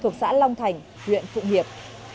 thuộc xã long thành huyện phụng hiệp